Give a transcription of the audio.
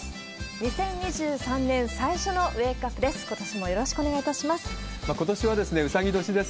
２０２３年最初のウェークアップです。